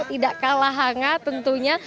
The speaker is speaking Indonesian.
tidak kalah hangat tentunya